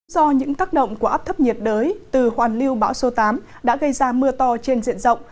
do những tác động của áp thấp nhiệt đới từ hoàn lưu bão số tám đã gây ra mưa to trên diện rộng